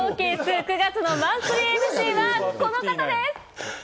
９月のマンスリーＭＣはこの方です！